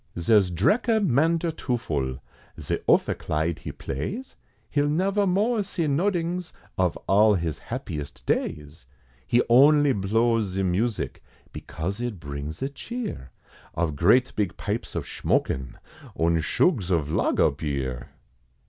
Zare's Dreker Mandertoofel, Ze opheclide he plays, He'll never more see nodings, Of all his happiest days; He only blows ze music, Because it brings ze cheer, Of great big pipes of shmokin', Und shugs of Lager Beer!